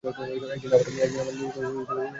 একদিন আমার নিজেকেই রুখে দাঁড়াতে হবে।